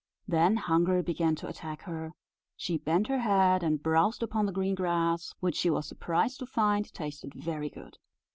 Then hunger began to attack her she bent her head, and browsed upon the green grass, which she was surprised to find tasted very good.